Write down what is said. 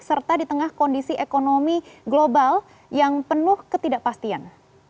serta di tengah kondisi ekonomi global yang penuh ketidakpastian